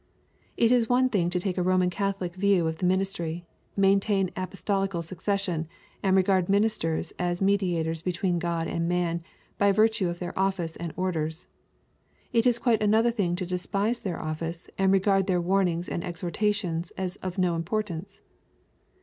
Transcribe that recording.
It is one thing to take a Roman Catholic view of the ministry, maintain apostolical succession, and regard ministers as me diators between God and man, by virtue of their office and orders. It is quite another thing to despise their office, and re gard their warnings and exhortations as of no importance.